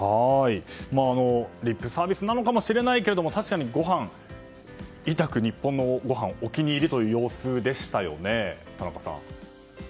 リップサービスなのかもしれないけど確かに日本のごはんをお気に入りという様子でしたよね。